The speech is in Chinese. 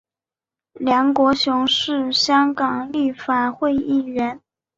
梁国雄是香港立法会议员。